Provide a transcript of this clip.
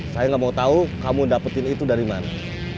saya nggak mau tahu kamu dapetin itu dari mana